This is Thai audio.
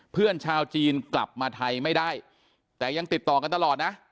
เพื่อนชาวจีนกลับมาไทยไม่ได้แต่ยังติดต่อกันตลอดนะ